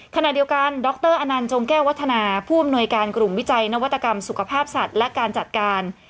ขณะเดียวกันดรอนันต์จงแก้ววัฒนาผู้อำนวยการกลุ่มวิจัยนวัตกรรมสุขภาพสัตว์และการจัดการ